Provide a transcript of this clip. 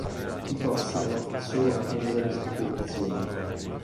Chi fossero è solo materia di speculazione.